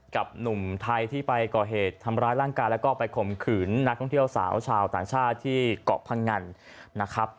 กับหนุ่มไทยที่ไปก่อเหตุทำร้ายร่างกายแล้วก็ไปข่มขืนนักท่องเที่ยวสาวชาวต่างชาติที่เกาะพังงันนะครับ